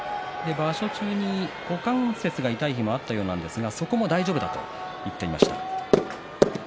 場所中に股関節が痛い日もあったようなんですが、そこも大丈夫だと言っていました。